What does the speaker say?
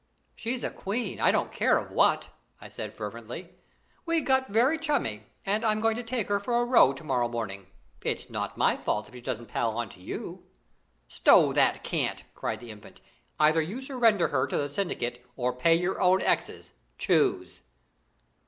"She's a queen I don't care of what!" I said fervently. "We got very chummy, and I'm going to take her for a row to morrow morning. It's not my fault if she doesn't pal on to you." "Stow that cant!" cried the Infant. "Either you surrender her to the syndicate or pay your own exes. Choose!"